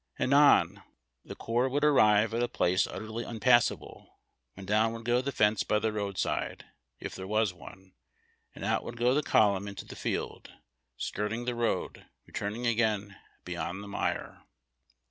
Anon the corps would arrive at a place utterly impassable, when down would go the fence by the roadside, if there was one, and out would go the column into the field skirting tlie road, returning again be^^ond the mire.